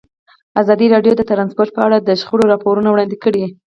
ازادي راډیو د ترانسپورټ په اړه د شخړو راپورونه وړاندې کړي.